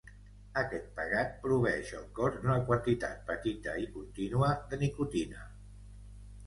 Aquest pegat proveeix el cos d'una quantitat petita i contínua de nicotina.